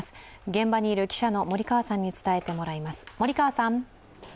現場にいる記者の守川さんに伝えてもらいます。